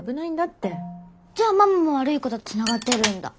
じゃあママも悪い子とつながってるんだ。